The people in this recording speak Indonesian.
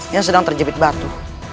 yang sedang terjepit batu